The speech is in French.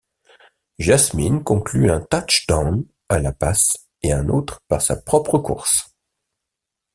Jasmine conclut un touchdown à la passe et un autre par sa propre course.